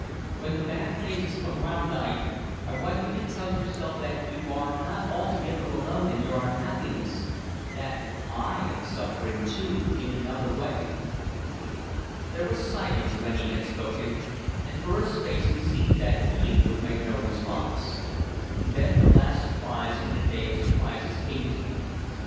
When the bad phases come round I I want you to tell yourself that you are not altogether alone in your unhappiness that I am suffering too in another way." There was silence when he had spoken, and for a space it seemed that Eve would make no response. Then the last surprise in a day of surprises came to him.